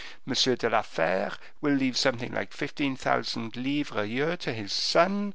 M. de la Fere will leave something like fifteen thousand livres a year to his son.